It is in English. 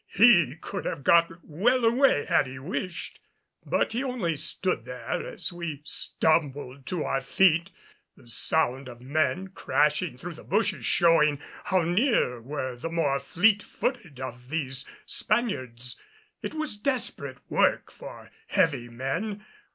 He could have got well away had he wished, but he only stood there as we stumbled to our feet, the sound of men crashing through the bushes showing how near were the more fleet footed of these Spaniards. It was desperate work for heavy men.